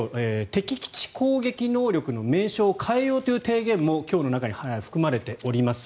敵基地攻撃能力の名称を変えようという提言も今日の中に含まれております。